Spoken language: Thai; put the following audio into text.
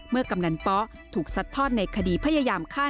กำนันป๊อถูกซัดทอดในคดีพยายามฆ่า